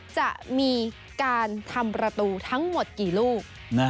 จะมีการทำประตูทั้งหมดกี่ลูก